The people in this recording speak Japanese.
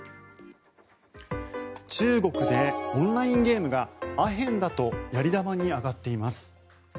中国でオンラインゲームがアヘンだとやり玉に挙がっています。